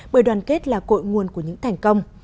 bởi đoàn kết là cội nguồn của những thành công